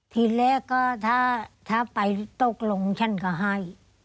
ทีแรกก็ถ้าไปตกลงฉันก็ให้